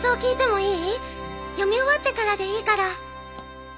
読み終わってからでいいから